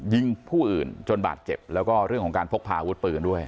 ยิงผู้อื่นจนบาดเจ็บแล้วก็เรื่องของการพกพาอาวุธปืนด้วย